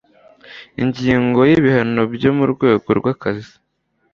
Ingingo ya Ibihano byo mu rwego rw akazi